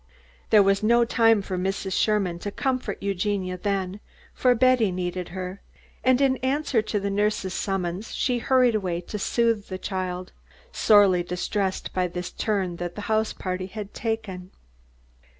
There was no time for Mrs. Sherman to comfort Eugenia then, for Betty needed her, and in answer to the nurse's summons she hurried away to soothe the child, sorely distressed by this turn that the house party had taken.